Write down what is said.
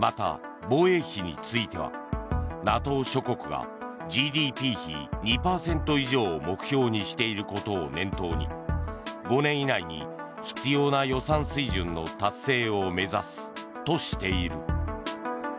また、防衛費についてはＮＡＴＯ諸国がＧＤＰ比２％以上を目標にしていることを念頭に５年以内に必要な予算水準の達成を目指すとしている。